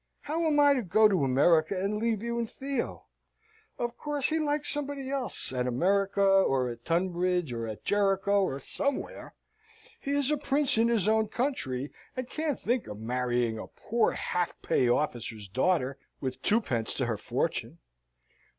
How am I to go to America, and leave you and Theo? Of course, he likes somebody else, at America, or at Tunbridge, or at Jericho, or somewhere. He is a prince in his own country, and can't think of marrying a poor half pay officer's daughter, with twopence to her fortune.